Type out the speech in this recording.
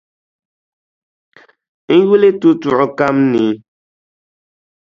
N yuli tutuɣu kam ni.